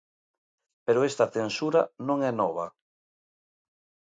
Pero esta censura non é nova.